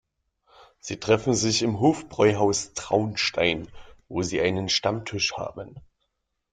Sie treffen sich im Hofbräuhaus Traunstein, wo sie einen Stammtisch haben.